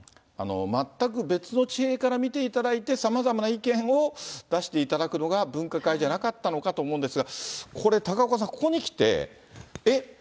全く別の地平から見ていただいて、さまざまな意見を出していただくのが分科会じゃなかったのかと思うんですが、これ高岡さん、ここに来て、え？